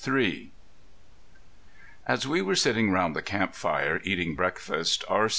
III As we were sitting round the camp fire, eating breakfast, R.